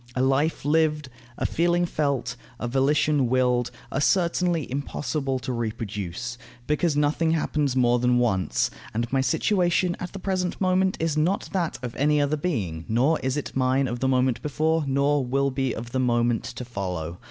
A life lived, a feeling felt, a volition willed, are certainly impossible to reproduce, because nothing happens more than once, and my situation at the present moment is not that of any other being, nor is it mine of the moment before, nor will be of the moment to follow.